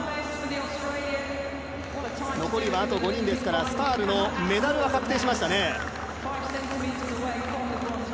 残りはあと５人ですからスタールのメダルは確定しましたね。